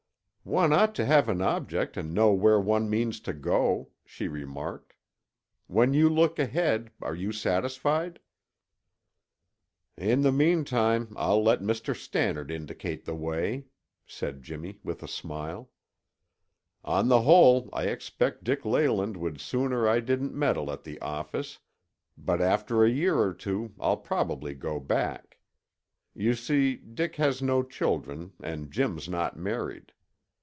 "One ought to have an object and know where one means to go," she remarked. "When you look ahead, are you satisfied?" "In the meantime, I'll let Mr. Stannard indicate the way," said Jimmy with a smile. "On the whole, I expect Dick Leyland would sooner I didn't meddle at the office, but after a year or two I'll probably go back. You see, Dick has no children and Jim's not married.